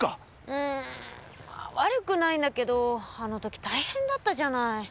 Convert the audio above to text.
うん悪くないんだけどあの時大変だったじゃない。